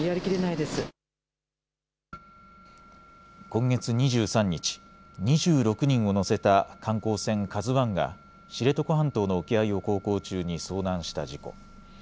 今月２３日、２６人を乗せた観光船、ＫＡＺＵＩが知床半島の沖合を航行中に遭難した事故。